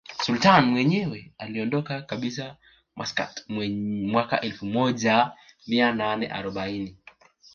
Sultani mwenyewe aliondoka kabisa Maskat mwaka elfu moja mia nane arobaini